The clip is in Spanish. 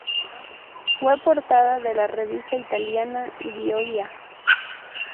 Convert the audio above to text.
Fue portada de la revista italiana "Gioia".